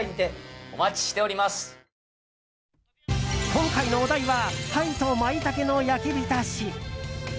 今回のお題は鯛とマイタケの焼きびたし。